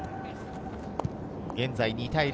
現在２対０。